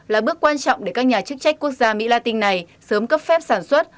là bước quan trọng để các nhà chức trách quốc gia mỹ latin này sớm cấp phép sản xuất